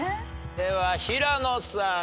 では平野さん。